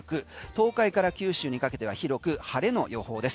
東海から九州にかけては広く晴れの予報です。